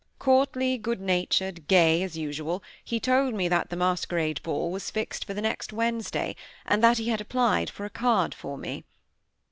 Courtly, good natured, gay, as usual, he told me that the masquerade ball was fixed for the next Wednesday, and that he had applied for a card for me.